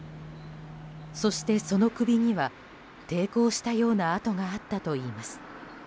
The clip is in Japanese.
そして、その首には抵抗したような跡があったといいます。